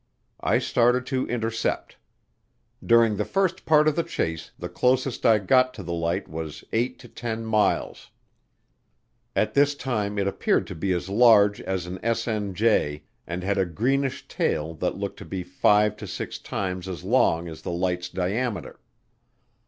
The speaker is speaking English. I started to intercept. During the first part of the chase the closest I got to the light was 8 to 10 miles. At this time it appeared to be as large as an SNJ and had a greenish tail that looked to be five to six times as long as the light's diameter.